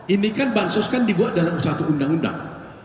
ini kan bansos kan dibuat dalam suatu undang undang